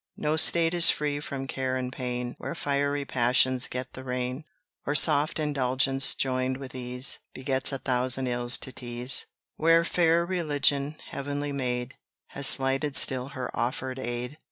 No state is free from care and pain Where fiery passions get the rein, Or soft indulgence, joined with ease, Begets a thousand ills to tease: Where fair Religion, heavenly maid, Has slighted still her offered aid.